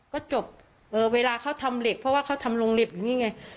ก็จบเวลาเขาทำเหล็กเพราะว่าเขาทำโรงเห็บอยู่นี่ไง